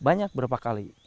banyak berapa kali